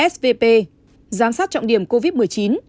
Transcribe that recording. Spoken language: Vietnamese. svp giám sát trọng điểm covid một mươi chín